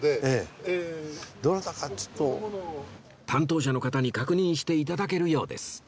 担当者の方に確認して頂けるようです